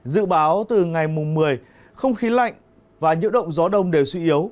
dự báo từ ngày một mươi không khí lạnh và nhiễu động gió đông đều suy yếu